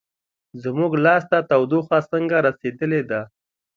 زموږ لاس ته تودوخه څنګه رسیدلې ده؟